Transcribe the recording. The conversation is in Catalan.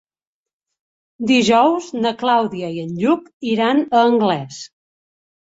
Dijous na Clàudia i en Lluc iran a Anglès.